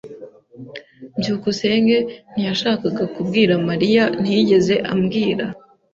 byukusenge ntiyashakaga kubwira Mariya. Ntiyigeze ambwira.